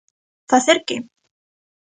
Facer que?